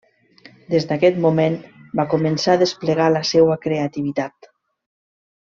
Des d'aquest moment va començar a desplegar la seua creativitat.